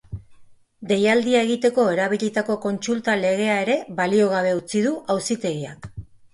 Deialdia egiteko erabilitako kontsulta legea ere baliogabe utzi du auzitegiak.